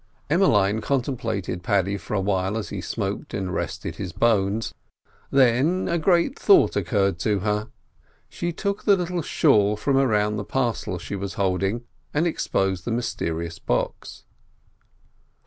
Emmeline contemplated Paddy for a while as he smoked and rested his bones, then a great thought occurred to her. She took the little shawl from around the parcel she was holding and exposed the mysterious box.